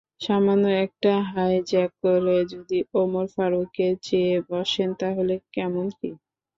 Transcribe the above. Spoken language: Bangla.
সামান্য একটা হাইজ্যাক করে যদি ওমর ফারুককে চেয়ে বসেন তাহলে কেমন কী?